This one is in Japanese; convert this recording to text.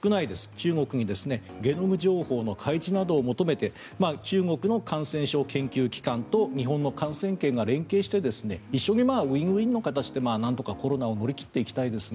中国にゲノム情報の開示などを求めて中国の感染症研究機関と日本の感染研が連携して一緒にウィンウィンの形でなんとかコロナを乗り切っていきたいですね。